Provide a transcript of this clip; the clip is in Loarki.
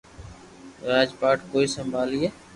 راج پاٺ ڪوڻ سمڀالئي